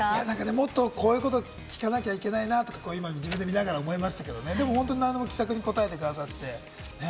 もっとこういうこと聞かなきゃいけないなとか、見ながら思いましたけれどもね、気さくに答えてくださってね。